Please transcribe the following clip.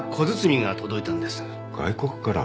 外国から？